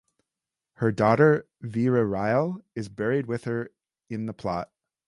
Her daughter Vira Rial is buried with her in the plot.